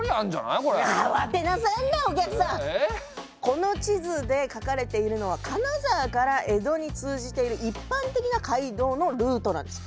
この地図で描かれているのは金沢から江戸に通じている一般的な街道のルートなんです。